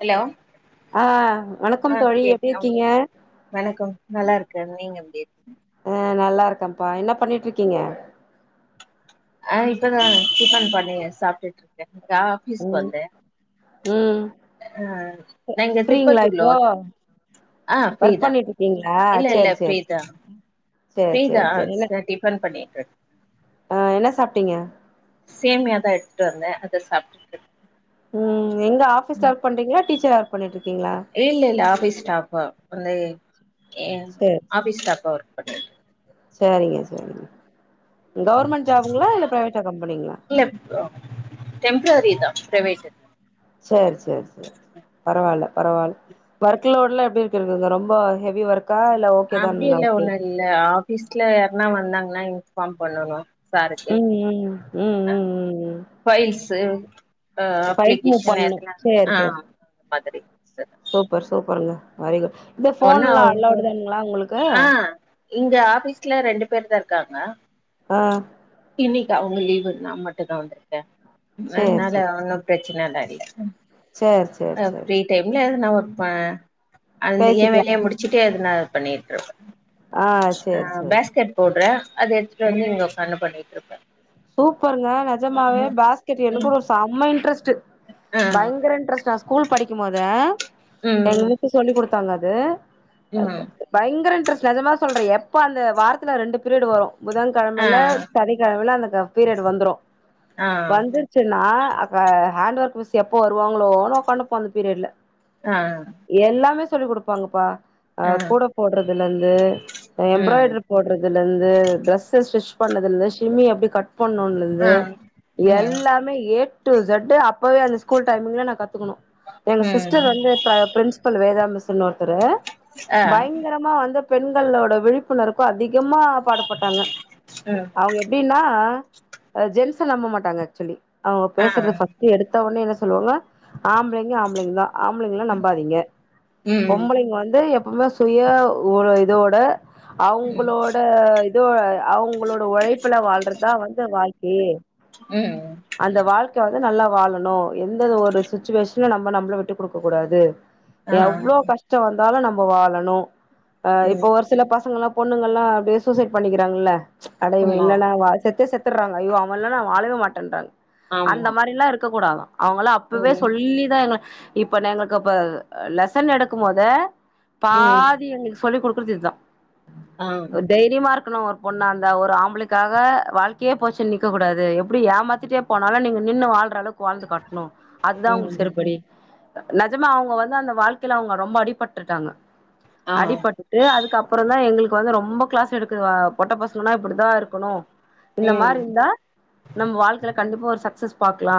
hello ஆ ஆ வணக்கம் தோழி கேக் ஆமா எப்டிருக்கீங்க வணக்கம் நல்லாருக்க நீங்க எப்டி அ நல்லா இருக்கேன்பா என்ன பண்ணீட்ருக்கீங்க அ இப்பந்தா டிஃபன் பண்ணி சாப்டுட்டுட்ருக்கேன்க்கா பிஸ் ம் வந்தே ம் ஆ நா இங்க ஃப்ரீங்களா திருப்பத்தூர்ல இப்போ ஒர் ஆ ஒர்க் ஃப்ரீதா பண்ணிட்டு இருக்கீங்களா இல்ல இல்ல சேரி சேரி ஃப்ரீதா சேரி ஃப்ரீதா சேரி ச டிஃபன் பண்ணீட்ருக் அ என்ன சாப்ட்டீங்க சேமியாதா எடுத்துட்டு வந்த அத சாப்டுட்டுட்ருக் ம் எங்க ஆஃபீஸ்ல ஒர்க் பண்றீங்ளா டீச்சரா ஒர்க் பண்ணீட்ருக்கீங்களா இல்ல இல்ல ஆஃபீஸ் ஸ்டாஃபா வந்து ய ஆஃபீஸ் ஸ்டாபா ஒர்க் பண்ற சரிங்க சரிங்க கவர்மெண்ட் ஜாபுங்களா இல்ல பிரைவேட்டா கம்பெனிங்களா இல்ல டெம்ரரிதா பிரைவேட்டு சேர் சேர் சேர் பரவால்ல பரவால்ல ஒர்க்லோட்ல எப்டி இருக்கு ரொம்ப ஹெவி ஒர் க்கா இல்ல ஓகே அப்டி தான்ங்ளா இல்ல எப்டி ஒண்ணு இல்ல ஆஃபிஸ்ல யார்னா வந்தாங்கன்னா இன்பாஃம் பண்ணணு சாருக்கு உம் உம் ம் ஆ ம் ம் ம் ஃபைல்ஸு அ ஃபைல்ஸ் மூவ் அப்ளிகேஷன் பண்ணு எதனா சேரி ஆ சேரி அந்த மாதிரி சூப்பர் சூப்பருங்க வெரி குட் இந்த ஒன்னு போன்லா அலோடு அவங்களோட தானுங்களா உங்களுக்கு ஆ இங்க ஆபீஃஸ்ல ரெண்டு பேர்தா இருக்காங்க ஆ இன்னைக்கு அவங்க லீவு நா மட்டுதா வந்துருக்க சேரி நந்னால ஒன்னு பிரச்சனலா இல்ல சேர் சேர் சேர் சே டெம்ல எனா ஒர்க் ப அந்த ய பேசிக்கலா வேலய முடிச்சுட்டு எதுனா பண்ணீட்ருப்ப ஆ சேரி அ சேரி பேஸ்கெட் போடுறே அத எடுத்துட்டு வந்து ம் இங்க உக்காந்து பண்ணீட்ருப்ப சூப்பருங்க நெஜமாவே பாஸ்கெட் ம் எனக்கூம் செம்ம இன்ட்ரெஸ்ட்டு ஆ பயங்கர இன்ட்ரெஸ்ட் நா ஸ்கூல் படிக்கும் போத எங்க ம் வீட்ல சொல்லி் குடுத்தாங்க அது ம் பயங்கர இன்ட்ரெஸ்ட் நெஜமா சொல்றே எப்ப அந்த வாரத்துல ரெண்டு பீரியட் வரும் ஆ புதன்கெழமல்ல சனி நா வேண்ணா அந்த பீரியட் வந்துரும் ஆ வந்து ஜ நா அ ஹேண்ட் ஒர்க் மிஸ்சு எப்போ வருவாங்களோ உக்காட்டுப்போ அந்த பீரியட்ல அ எல்லாமே சொல்லி குடுப்பாங்கப்பா அ ஆ ஆ கூட போட்றதுல அ ம் எம்ராய்ட்ரு போடுறதுல்ல இருந்து டிரெஸ் ஸ்டிச் பண்ணதுல இருந்து ஷிம்மி எப்டி கட் பண்ணும்னுலந் ஆ து ம் எல்லாமே ஏ டு செட்டு அப்பவே அந்த ஸ்கூல் டைமிங்ல நான் கத்துக்கணும் எங்க ம் சிஸ்டர் வந்து ப பிரின்சபல் வேதாம் மிஸ்சுன்னு ஒருத்தரு ஆ பயிங் கரம்மா வந்து பெண்களோட விழிப்புணர்க்கும் அதிகமா பாடு பட்டாங்க ம் அவ்ங்க எப்டின்னா அ ஜென்ச நம்ம மாட்டாங்க ஆக்சுவலி அவ்ங்க ஆ பேசற்த ஃபர்ஸ்ட் எடுத்தவுனே என்ன சொல்லுவாங்க ஆம்ப்ளைங்க ஆம்ப்ளைங்தா ஆம்ப்ளைங்ள நம்பாதீங்க ம் பொம்பளைங் வந்து எப்பமே சுய ஒரு இதோட ம் அவ்ங்குளோட இதோ அவ்ங்களோட ஒழைப்புல வாழ்றதா வந்து வாழ்க்கே ம் அந்த வாழ்க்க வந்து நல்லா வாழணு எந்தது ஒரு சுச்சுவேஷன்லு நம்ம நம்ப்ள விட்டு குடுக்க கூடாது ஆ எவ்ளோ கஷ்ட்ட வந்தாலு நம்ப வாழணு அ ம் இப்ப ஒரு சில பசங்களல்லா பொண்ணுங்கல்லா அப்டே சூசைட் பண்ணிக்கிறாங்ல்ல அட ஆமா இல்லனா வாழ் செத்தே செத் துற்ங்க ஐயோ அவ இல்லனா வாழவே மாட்டன்றாங்க அந்த ஆமா மாரிலா இருக்க கூடாதா அவ்ங்கள்லா அப்பவே ம் சொல்லிதா எங்ள இப்பா நே எங்ளுக்கு அப்ப லெசன் எடுக்குமொத ம் பாதி எங்ளுக் சொல்லி குடுக்குற்த் இத்தா ஆ தெய்ரியமா இருக்குணு ஒர்க் ஒன்ன அந்த ஒரு ஆம்ப்ளுக்காக வாழ் கே போச்சுன் நிக்க கூடது எப்புடி ஏமாத்திட்டே போனாலு நீங்க நின்னு வாழ்ட்றலவுக் குவாழ்ந்து காட்ணு அதுதா உங்ளுக் ம் செருப்படி நெஜமா அவுங்க வந்து அந்த வாழ்க்கைல அவ்ங்க ரொம்ப அடிப்பட்டுட்டாங்க ஆ அடிபட்டு டு அதுக் அப்புறந்தா எங்குளுக் வந்து ரொம்ப க்ளாஸ் எடுக்குதுவ பொட்ட பசங்கனா இப்புடிதா இருக்குனு இந்த மாரி ம் இர்ந்தா நம்ம வாழ்க்கைல கண்டிப்பா ஒரு சக்சஸ் பாக்லா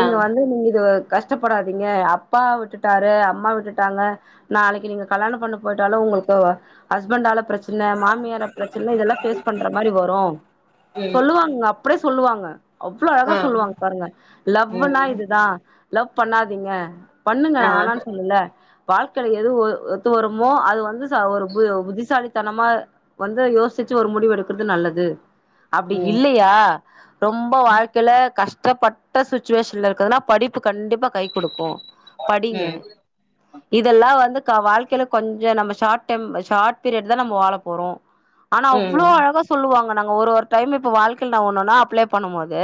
ஆ வந்து நீங்க இதுவு கஷ்ட்டப்படாதீங்க அப்பா விட்டுட்டாரு அம்மா விட்டுட்டாங்க நாளைக்கி நீங்க கல்யாண பண்ணி பொய்ட்டாலு உங்குளுக்கு வ ஹஸ்பண்ட்டால பிரச்சன மாம் மியார பிரச்சன இதல்லா ஃபேஸ் பண்ற மாரி வரு ம் சொல்லுவாங்குங்க அப்புடே சொல்லுவாங்க அவ்ளோ அழகா ஆ சொல்லுவாங் பாருங்க லவ்வுனா ம் இதுதா லவ் பண்ணாதீங்க பண்ணுங்க ஆ நா வேண்ன் சொல்லுல வாழ்க்கைல எது ஒ ஒத்து வருமோ அது வந்து ச ஒரு புய புத்திசாலி தனமா வந்து யோசிச்சு ஒரு முடிவு எடுக்குற்து நல்லது அப்டி ம் இல்லையா ரொம்ப வாழ்க்கைல கஷ்ட்டப்பட்ட சுச்சுவேஷன்ல இருக்கதுனா படிப்பு கண்டிப்பா கை குடுக்கு படிங்க ம் இதல்லா வந்து க வாழ்க்கைல கொஞ்ச நம்ம ஷாட் டெம் ஷார்ட் பீரியட்தா நம்ம வாழ போறோ ஆனா அவ்ளோ ம் அழகா சொல்லுவாங்க நாங்க ஒரு ஒரு டைம் இப்போ வாழ்க்கைல நா ஒன்னுன்னா அப்ளே பண்ணும்மோது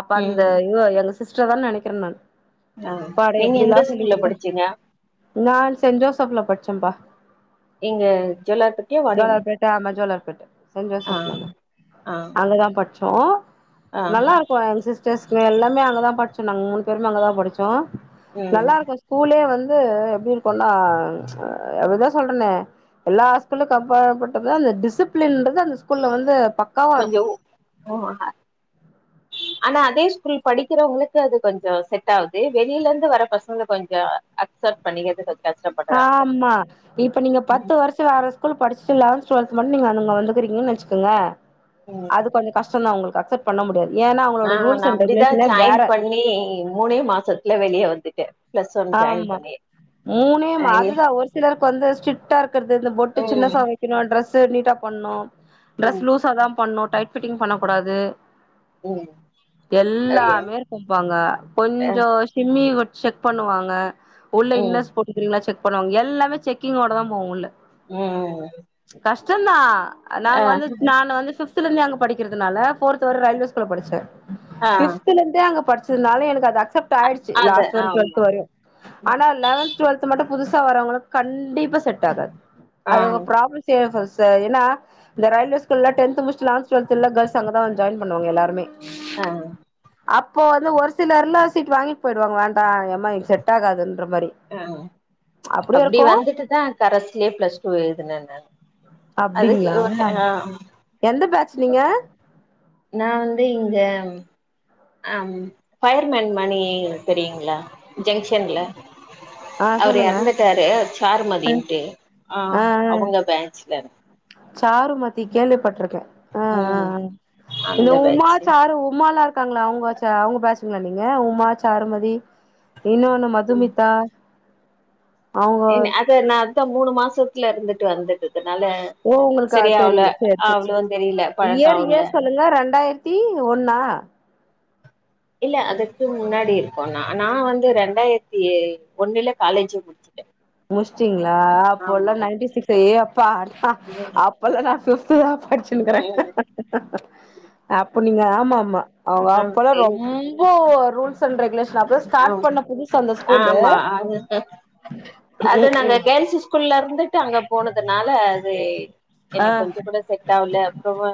அப்ப அந்த ம் இவோ எங்க சிஸ்டர் தான் நெனக்கிற நான் ஆ பாட நீங்க எந்த எப்புடிலா சொல்லி ஸ்கூல்ல குடுத்த படிச்சீங்க நா சென்ட் ஜோசப்ல படிச்சேம்ப்பா இங்க ஜுவல்லார்பட்டியா வாணியம்மு டாம ஜோலார்பேட்ட அ அ ங்கதா பட்ச்சோ நல்லாருக் கோ எங் சிஸ்டர்ஸ்கு எல்லாமே அங்கதா பட்ச்சோ நாங் மூணு பேருமே அங்கதா படிச்சோ ம் நல்லாருக்கு கூலே வந்து எப்டி இருக்குன்னா அப்டிதா சொல்றனே எல்லா ஸ்கூலுக் அப்பாபட்டது அந்த டிசிப்லின்ற்து அந்த ஸ்கூல்ல வந்து ப கொஞ்ச உ [unintelligible] அனா அதே ஸ்கூல் படிகிறவ்ங்ளுக்கு அது கொஞ்சோ செட் ஆவுது வெளிலர்ந்து வர பசங்க கொஞ்ச அக்சப்ட் பண்ணிக்கற்து கஸ் ஆம்மா இப்ப நீங்க பத்து வர்ஸ் ட்டு வேற ஸ்கூல் படிச்டு லவன்த் டுவெ்த் மட்டும் நீங்க வந்துறிக்க வச்சுகுங்க ம் அது கொஞ்ச கஷ்டந்தா உங்களுக்கு அக்சப்ட் பண்ண முடியாது ஏனா அவங்ளோட ரூல்ஸ் அண் ரெகுலேஷனே வேற நீ மூனே மாசத்துல வெளிய வந்துடே ஆமா மூனே மா ஐய அதுதா ஒரு சிலருக்கு வந்து ஸ்ட்ரிக்டா இருக்கிறது இந்த பொட்டு சின்ன ம் சா இன்னோன்னு டிரெஸ் நீட்டா போட்ணு டிரெஸ் ம் லூஸா தா பண்ணும் டைட் பிட்டிங் பண்ணக்கூடாது ம் ஐய எல்லாமே இருக்கும்ப்பா அங்க அ கொஞ்ச சிம்மி வச்சத் பண்ணுவாங்க உள்ள ம் இன்னர்ஸ் போட்ருக்கீங்களா செக் பண்ணுவாங்க எல்லாமே செக்கிங் ஓடதா போவும் உள்ள ம் கஷ்டந்தா ஆ நாங்க வந்து நானு வந்து ஃபிப்த் ல இருந்து அங்க படிக்கிறதுனால ஃபோர்த் வர ரயில்வேஸ் ஸ்கூல்ல படிச்சே ஆ ஃபிப்த்ல இருந்தே அங்க படிச்சதுனால எனக்கு அது அக்செப்ட் ஆயிடுச்சு அது லாஸ்ட் ஆமா வரைக்கும் ஆனா லெவன்த் டுவெல்த் மட்டு புதுசா வரவங்களுக்கு கண்டிப்பா செட் ஆகாது ஆ அது அவங்க ப்ராப்ளம் செய்யும் ஃபஸ்டு ஏன்னா இந்த ரயில்வே ஸ்கூல்ல டென்த் முடிச்சிட்டு லவன்த் டுவல்த் எல்லா கேள்ஸ்சு அங்கதா வந்து ஜாய்ன் பண்ணுவாங்க எல்லாருமே ஆ அப்போ வந்து ஒரு சிலர்லா சீட் வாங்கிட்டு போயிடுவாங்க வேண்டா ஏம்மா இது செட் ஆகாதுன்ற மாரி ஆ அப்டியு அப்டி இருக்கு வந்துட்டுதா கரஸ்லயே பிளஸ் டூ எழுதுன நானு அதுக் அப்டிங்களா ஒருடைம் ஆ ஆம் எந்த பாச் நீங்க நா வந்து இங்க அ பயர்மேன் மணி தெரியுங்களா ஜங்ஷன்ல ஆ அவர் சொல்லுங்க எறந்துட்டாரு ஆ சாருமதின்ட்டு ஆ அவங்க பேச்லர் சாருமதி கேள்விப்பட்டுருக்கே அ அ ம் ஆ இந்த அந்த உமா பேட்ச்சு சாறு உமாலா இருக்காங்களா அவங்க அவங்க பேச்சிங்களா நீங்க உமா சாருமதி இன்னோன்னு மதுமிதா அவங்க அத அதா மூனு மாசத்ல இருந்துட்டு வந்துடு ஓ உங்களுக்கா தெரியல சரி சரி அவ்ளோவா தெரியல பழக்க இயர் ஆவல இயர் சொல்லுங்க ரண்டாயிரத்தி ஒன்னா இல்ல அதுக்கு முன்னாடி இருக்கும் நா நா வந்து ரெண்டாயிரத்தி ஒன்னுல காலேஜே முடிச்சிட்டே முடிச்சிட்டிங்களா அப்போல்லா நைன்டி சிக்ஸ் ஏ அப்பா அடுத்த ம் அப் பல்லா நா பிஃப்த்துதா படிச்சே அப்ப நீங்க ஆமா ஆமா அவங்க அப்பல்லா ம் ரொம் போ ரூல்ஸ் அண்ட் ரெகுலேஷன் அப்பதா ஸ்டார்ட் பண்ண புதுசு அந்த ஸ்கூல்லு அதுதா அது நாங்க கேர்ள்ஸஸ் ஸ்கூல்ல இருந்துட்டு அங்க போனதுனால அது ஆ எனக்கு கொஞ்ச கூட செட் ஆகல அப்புற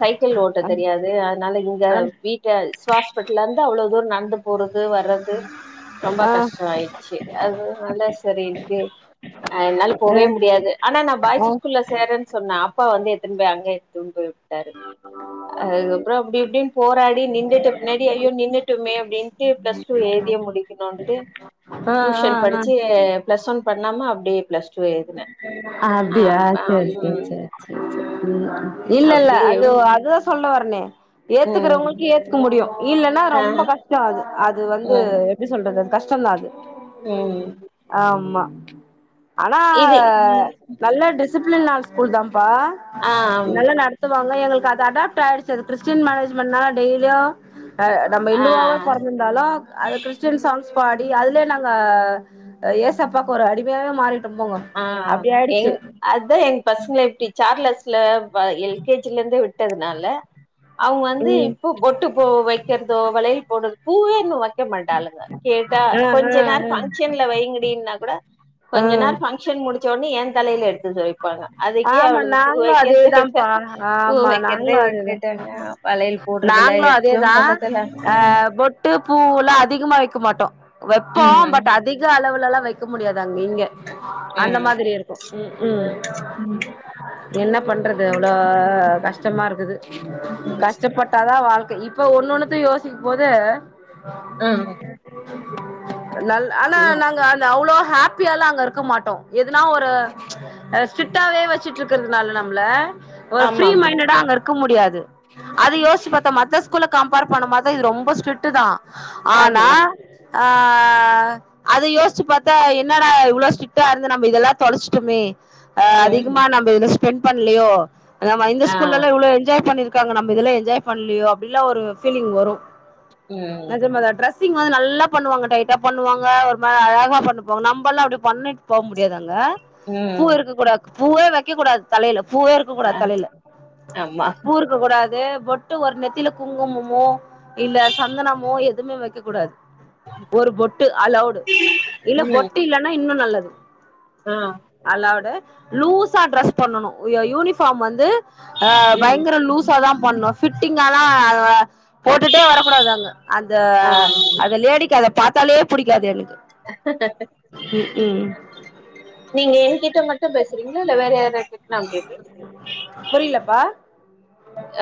சைக்கிள் ஓட்ட ஆ தெரியாது அதுனால இங்க ஆ வீட்ல ஹாஸ்பிட்டல இருந்து அவ்வளோ தூர நந்து போறது வர்றது ரொம்ப ஆ ஆ கஷ்டொ ஆயிடுச்சு அதுனால செரின்ட்டு என்னால போவே முடியாது ஆனா நான் ஆ பாய்ஸஸ் ஸ்கூல்ல சேறேன்னு சொன்னே அப்பா வந்து எத்துன்னு போய் அங்க எத்துன்னு போய் வுட்டாரு அதுக்கப்புற அப்டி இப்டின் போராடி நின்னுட்ட பின்னாடி ஐயோ நின்னுட்டோமே அப்டின் பிளஸ் டூ எழுதியே முடிக்கணுன்டு ஆ டியூசன் ஆ படிச்சு பிளஸ் ஒன் பண்ணாம அப்டியே ப்ளஸ் அப்டியா சேரி சேரி ம், சேரி சேரி சேரி இல்ல இல்ல அப்படியே அது அது சொல்ல வரனே ம், ஏத்துக்கறவங்களுக்கு ஏத்துக்க முடியும் இல்லன்னா ஆ, ரொம்ப கஷ்டோ அது அது அது வந்து ம், எப்டி சொல்றது கஷ்டந்தா அது ம் ஆமா ஆனா இது டிசிப்ளின்னான ஸ்கூல் தான்ப்பா ஆம், நல்லா நட த்து வாங்க எங்களுக்கு அது அடாப்ட் ஆயிடுச்சு அது கிறிஸ்டியன் மேரேஜ் பண்ணா டெய்லியும் ஆ நம்ம ஆ, இந்துவாவே பொறந்திருந்தாலும் அது கிறிஸ்டன் சாங்ஸ் பாடி அதுலயே நாங்க ஏசப்பாக்கு ஒரு அடிமையாவே மாறிட்டோ போங்க ஆ அப்டி எங் ஆயிடுச்சு அதுதா எங்க பசங்க இப்டி சார்லஸ்ல ப எல் கே ஜி ல இருந்தே விட்டதுனால அவங்க வந்து ம் இப்போ பொட்டு பூ வைக்கிறதோ வளையல் போடுறது பூவே இன்னு வெ க்க மாட்டாளுங்க கேட்டா ஆ ஆ கொஞ்ச நேரம் ஆ பங்க்ஷன்ல வைங்கடின்னா கூட ஆ கொஞ்ச நேர பங்க்ஷன் முடிச்ச ஒன்னே ஏ தலையில எடுத்து வந்து வ ப்பாங்க அதுக்கே ஆமா அவளுங்க பூ நாங்களு வைக்கிறத விட அதேதான்ப்பா பூ ஆமா வைக்கிறதே நாங்களு அதேதா விட்டுட்டாங்க வலையல் போடுறதுல்ல நாங்களு எத்தும் பண்றதுல ட்டு பூவெல்லா அதிகமா வைக்க மாட்டோ வைப்போ ம் பட் அதிக அளவுலல்லா வைக்க முடியாது அங்க இங்க அந்த மாதிரி இருக்கும் ம்ம் ம் என்ன பண்றது எ்வளவு கஷ்டமா இருக்குது கஷ்டப்பட்டு ட்டா தா வாழ்க்க இப்ப ஒன்னொண்ணுத்த யோசிக்கும் போது ஆ அ நல் ஆனா ம் நாங்க அவ்ளோ ஹேப்பியால அங்க இருக்க மாட்டோ எதுனா ஒரு ஸ்ட்ரீட்டாவே வச்சுட்டு இருக்கிறதுனால நம்மள ஒரு ஃபிரீ ஆமாமா மைண்டடா அங்க இரு க்க முடியாது அத யோசிச்சு பாத்தா மத்த ஸ்கூல கம்பேர் பண்ணம் போது இது ரொம்ப ஸ்ரிக்ட் தா ஆனா ஆமா ஆ அத யோசிச்சு பாத்தா என்னடா இவ்ளோ ஸ்ட்ரிக்ட்டா இருந்து நம்ம இதெல்லா தொலச்சுட்டமே ஆ அதிகமா ம் நம்ம இத ஸ்பெண்ட் பண்லையோ நம்ம இந்த ஆ ஸ்கூல்லல்லா இவ்ளோ என்ஜாய் பண்ணிரு இருக்காங்க நம்ம இதுல என்ஜாய் பண்ணலோ அப்டில்லா ஒரு பீலிங் வரும் ம் நெஜமாதா டிரஸ்ட் ஸிங் வந்து நல்லா பண்ணுவாங்க டைட்டா பண்ணுவாங்க ஒரு அழகா பண்ணுவாங்க நம்மல்லா அப்படி பண்ணிட்டு போக முடியாது அங்க பூ ம் இருக்க கூடாது பூவே வைக்கக் கூடாது தலையில பூவே இருக்கு க்க ஆ கூடாது தலையில ஆமா பூ இருக்க கூடாது பொட்டு ஒரு நெத்தில குங்குமமோ இல்ல சந்தனமோ எதுவுமே வைக்க கூடாது ஒரு பொட்டு அலவுடு இல்ல ம் பொட்டு இல்லைன்னா இன்னும் நல்லது ஆ அல்லோட லூஸா ட்ரெஸ் பண்ணணும் யூனிபார்ம் வந்து ஆ ம் பயங்கர லூஸா தா பண்ணும் ஃபிட்டிங்கால்லா போட்டுட்டே வரக்கூடாது அங்க அந்த ஆ அந்த லேடிக்கு அத பாத்தாலே புடிக்காது எனக்கு ம் ம் நீங்க என்கிட்ட மட்டும் பேசுறீங்களா இல்ல வேற யாரு கிட்டன்னா பேசு புரியலப்பா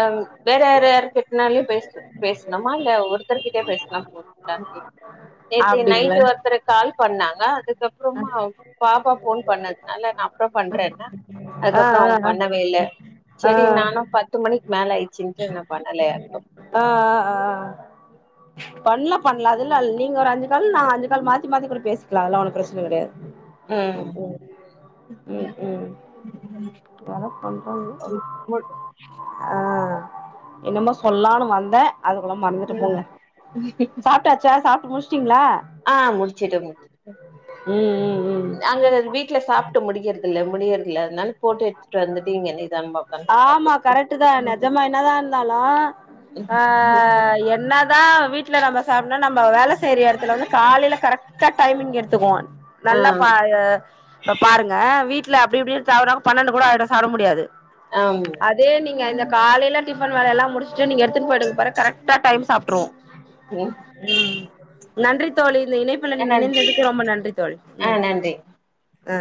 ஆ வேற யார் யார்க்கிட்டனாலயும் பேச பேசணுமா இல்ல ஒருத்தருர்கிட்டயே பேசலா போது [unintelligible] நேத்து நைட்டு அப்டிங்களா ஒருத்தருக் கால்ப் பண்ணாங்க அதுக் கப்றமா பாப்பா ஃபோன் பண்ணதுனால நா அப்றம் பண்றன்ன ஆ ஆ அதுக்கப்றோ அவுங் ஆ பண்ணவே இல்ல ஆ செரி நானும் பத் து மணிக் மேல ஆயிட்ச்சின்ட்டு நாப் பண்ணல யார்க்கு ஆ ஆ ஆ ஆ பண்லா பண்லா அதுலால் நீங்க ஒரு அஞ்சு கால் நா அஞ்சு கால் மாத்தி மாத்தி கூட பேசிக்லா அதலா ஒன்னு பிரச் சன கெடயா ம் ம் ம் வேலப் பண்றாங்க மு ஆ என்னமோ சொல்லானு வந்தே அதுக்குள்ள மறந்துட்டு ம் போங்க சாப்ட்டாச்சா சாப்ட்டு முடிச்ட்டீங்ளா ஆ முடிச்சிட்ட மு ம் ம் ம் அங்கரது வீட்ல சாப்ட்டு முடிகிறதில்ல முடியறதில்ல அத்னால போட்டு எட்த்துட்டு வந்துட்டு இங்க நிதான்மா ஒக்கான் ஆமா சாப்புட்டு கரெக்ட் தா நெஜமா என்னதா இருந்தாலு ஆ என்னதா வீட்ல நம்ம சாப்னால் நம்ம வேலச் சேரி எடத்துல வந்து காலைல கரெக்டா டைமிங் எடுத்துகுவோ நல்லாப் ஆ பா எ இப்ப பாருங்க வீட்ல அப்டி இப்டி தவறாம பன்னெண்டு கூட ஆய்டு சாப்ட முடியாது ஆம் அதே நீங்க இந்தக் காலைல டிஃபன் வேலையெல்லா முடிச் ச்டு நீங்க எடுத்துன் போய்டுங் பார கரெக்டா டைம் சாப்ட்ருவோ ம் ம் நன்றித் தோழி இந்த இணைப்புல அ நீங்க நன் இணைந்ததுக்கு ரொம்ப நன்றித் தோழி ஆ ம் நன்றி அ